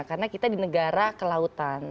karena kita di negara kelautan